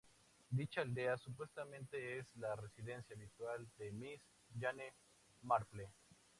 Dicha aldea supuestamente es la residencia habitual de Miss Jane Marple.